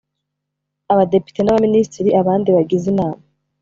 Abadepite Abaminisitiri abandi bagize Inama